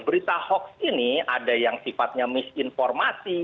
berita hoax ini ada yang sifatnya misinformasi